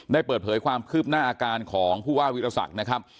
ได้เปิดเผยความครึ่บหน้าอาการของผู้ว่าวิทยาศาสตร์นะครับ